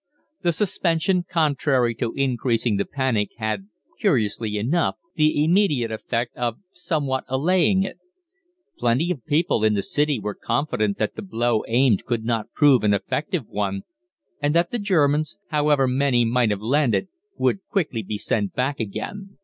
The suspension, contrary to increasing the panic, had, curiously enough the immediate effect of somewhat allaying it. Plenty of people in the City were confident that the blow aimed could not prove an effective one, and that the Germans, however many might have landed, would quickly be sent back again.